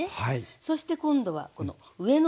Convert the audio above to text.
そして今度はこの上のほう。